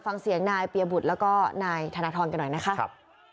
ฟังเสียงนายเปียบุตรแล้วก็นายธนทรกันหน่อยนะคะ